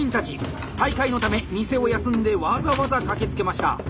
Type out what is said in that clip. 大会のため店を休んでわざわざ駆けつけました。